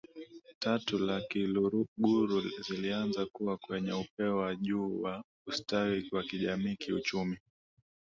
tatu za Kiluguru zilianza kuwa kwenye upeo wa juu wa ustawi wa kijamii kiuchumi